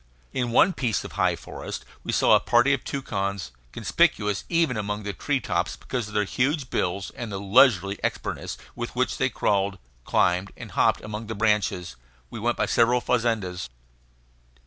In one piece of high forest we saw a party of toucans, conspicuous even among the tree tops because of their huge bills and the leisurely expertness with which they crawled, climbed, and hopped among the branches. We went by several fazendas.